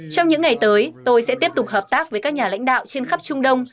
trong những ngày tới tôi sẽ tiếp tục hợp tác với các nhà lãnh đạo trên khắp trung đông